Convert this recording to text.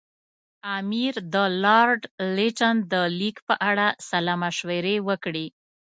امیر د لارډ لیټن د لیک په اړه سلا مشورې وکړې.